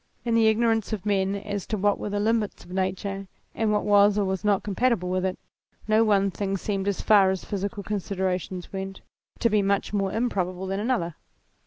In the igno rance of men as to what were the limits of nature and what was or was not compatible with it, no one thing seemed, as far as physical considerations went, to be much more improbable than another.